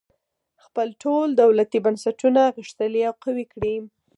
خپل ټول دولتي بنسټونه غښتلي او قوي کړي.